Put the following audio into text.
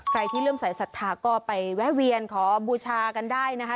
ใครที่เริ่มสายศรัทธาก็ไปแวะเวียนขอบูชากันได้นะคะ